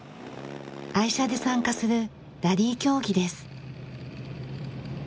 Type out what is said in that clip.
愛車で参加するラリー競技です。